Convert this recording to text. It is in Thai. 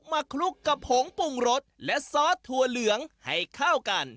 คลุกกับผงปรุงรสและซอสถั่วเหลืองให้เข้ากัน